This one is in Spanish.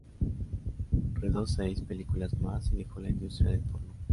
Rodó seis películas más y dejó la industria del porno.